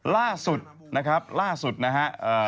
ล่าสุดนะครับล่าสุดนะฮะ